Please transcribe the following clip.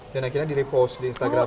dan akhirnya di repost di instagramnya